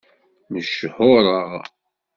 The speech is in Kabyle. Mechuṛeɣ.